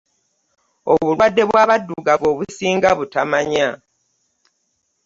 Obulwadde bw'abaddugavu obusinga butamanya.